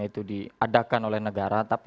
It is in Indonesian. itu diadakan oleh negara tapi